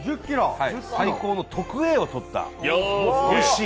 最高の特Ａを取った、おいしい。